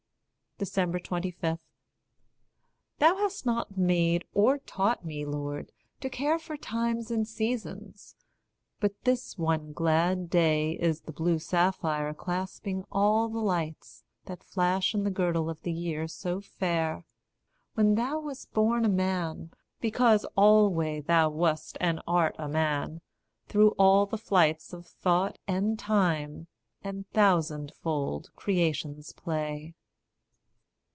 25. Thou hast not made, or taught me, Lord, to care For times and seasons but this one glad day Is the blue sapphire clasping all the lights That flash in the girdle of the year so fair When thou wast born a man, because alway Thou wast and art a man, through all the flights Of thought, and time, and thousandfold creation's play.